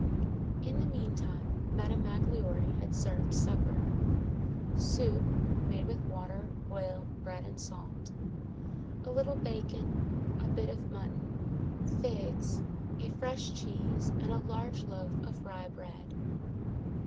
In the meantime, Madame Magloire had served supper: soup, made with water, oil, bread, and salt; a little bacon, a bit of mutton, figs, a fresh cheese, and a large loaf of rye bread.